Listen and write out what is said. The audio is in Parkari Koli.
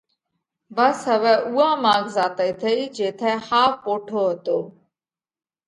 ڀس هوَئہ اُوئا ماڳ زاتئِي تئِي جيٿئہ ۿاوَ پوٽو هتو